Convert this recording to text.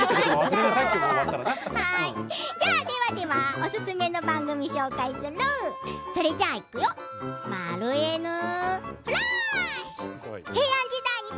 おすすめの番組を紹介するそれじゃあ、いくよー！